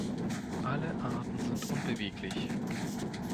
Alle Arten sind unbeweglich.